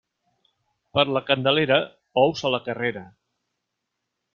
Per la Candelera, ous a la carrera.